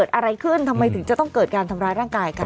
ทำไมถึงจะต้องเกิดการทำร้ายร่างกายกัน